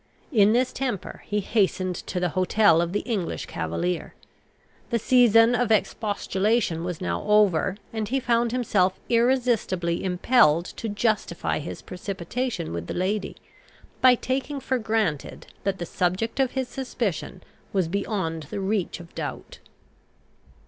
In this temper he hastened to the hotel of the English cavalier. The season of expostulation was now over, and he found himself irresistibly impelled to justify his precipitation with the lady, by taking for granted that the subject of his suspicion was beyond the reach of doubt.